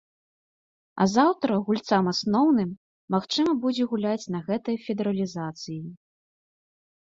А заўтра гульцам асноўным магчыма будзе гуляць на гэтай федэралізацыі.